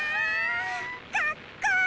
かっこいい！